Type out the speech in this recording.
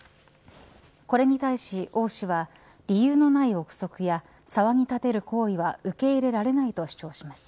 これに対し、王氏は理由のない臆測や騒ぎ立てる行為は受け入れられないと主張しました。